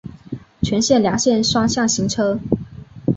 全线两线双向行车。